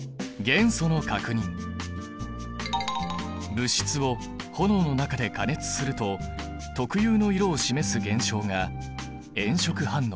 物質を炎の中で加熱すると特有の色を示す現象が炎色反応。